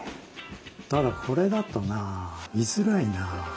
ただこれだとなあ見づらいなあ。